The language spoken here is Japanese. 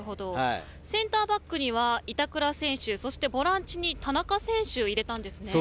センターバックには板倉選手そしてボランチに田中選手を入れたんですね。